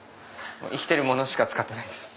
生きてるものしか使ってないです。